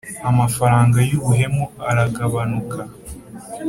amafaranga y'ubuhemu aragabanuka,